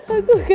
aku gak kuat